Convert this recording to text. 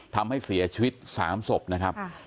ทำให้เสียชีวิต๓ศพนะครับ